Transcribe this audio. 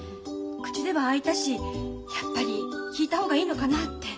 口ではああ言ったしやっぱり引いた方がいいのかなって。